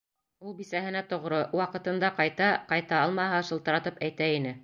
Ул бисәһенә тоғро, ваҡытында ҡайта, ҡайта алмаһа, шылтыратып әйтә ине.